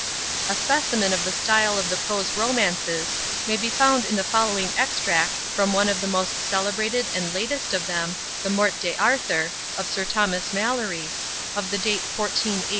A specimen of the style of the prose romances may be found in the following extract from one of the most celebrated and latest of them, the "Morte d'Arthur" of Sir Thomas Mallory, of the date of 1485.